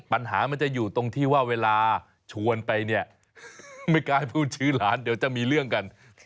ปัญหามันจะอยู่ตรงที่ว่าเวลาชวนไปเนี่ยไม่กล้าพูดชื่อหลานเดี๋ยวจะมีเรื่องกัน